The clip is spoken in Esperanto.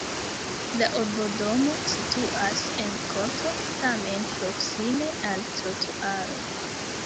La urbodomo situas en korto, tamen proksime al trotuaro.